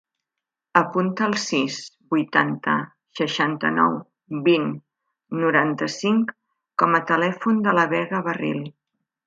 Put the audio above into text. Apunta el sis, vuitanta, seixanta-nou, vint, noranta-cinc com a telèfon de la Vega Barril.